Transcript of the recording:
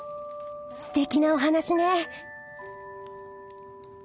すてきなお話ね。